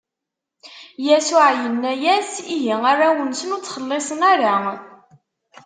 Yasuɛ inna-as: Ihi, arraw-nsen ur ttxelliṣen ara.